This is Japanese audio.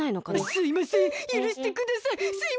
すいませんゆるしてください。